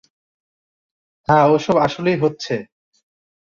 হ্যাঁ, ওসব আসলেই হচ্ছে।